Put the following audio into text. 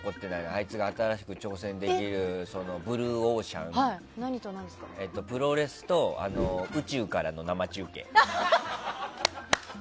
あいつが新しく挑戦できるブルーオーシャンはプロレスと宇宙からの生中継。